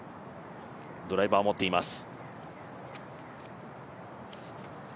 ドライバーを持っています。